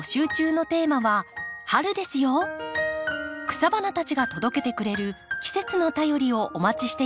草花たちが届けてくれる季節の便りをお待ちしています。